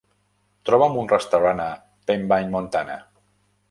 troba'm un restaurant a Pembine Montana